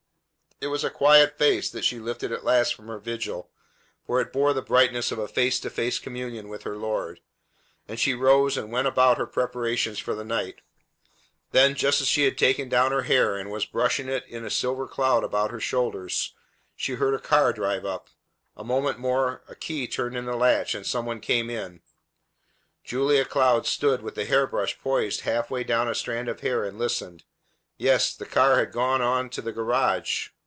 It was a quiet face that she lifted at last from her vigil, for it bore the brightness of a face to face communion with her Lord; and she rose and went about her preparations for the night. Then, just as she had taken down her hair and was brushing it in a silver cloud about her shoulders, she heard a car drive up. A moment more a key turned in the latch, and some one came in. Julia Cloud stood with the hair brush poised half way down a strand of hair, and listened. Yes, the car had gone on to the garage.